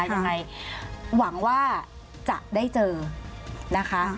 หวังว่าจะได้เจอนะคะ